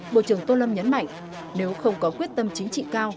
bộ trưởng tô lâm nhấn mạnh nếu không có quyết tâm chính trị cao